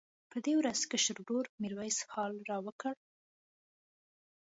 په دې ورځ کشر ورور میرویس حال راوکړ.